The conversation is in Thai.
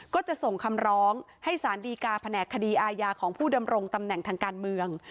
ก็จะส่งคำร้องให้สารดีการแผนกคดีอาญาของผู้ดำรงตำแหน่งทางการเมือง